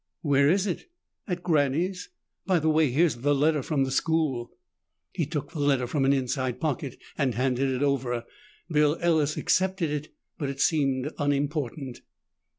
"Where is it?" "At Granny's. By the way, here's the letter from the school." He took the letter from an inside pocket and handed it over. Bill Ellis accepted it, but it seemed unimportant.